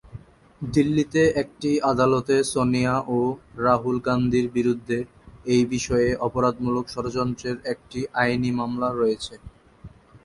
দিল্লিতে একটি আদালতে সোনিয়া ও রাহুল গান্ধীর বিরুদ্ধে এই বিষয়ে অপরাধমূলক ষড়যন্ত্রের একটি আইনি মামলা রয়েছে।